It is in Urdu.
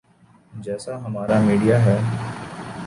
جیسا ہمارا میڈیا ہے۔